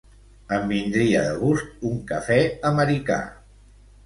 Em vindria de gust un cafè americà.